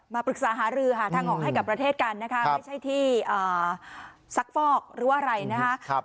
ปรึกษาหารือหาทางออกให้กับประเทศกันนะคะไม่ใช่ที่ซักฟอกหรือว่าอะไรนะคะ